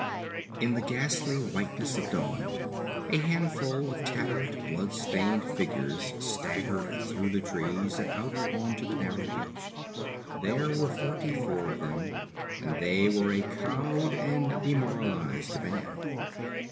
4 In the ghastly whiteness of dawn a handful of tattered, blood stained figures staggered through the trees and out on to the narrow beach. There were forty four of them, and they were a cowed and demoralized band.